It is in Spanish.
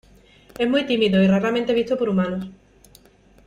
Es muy tímido, y raramente visto por humanos.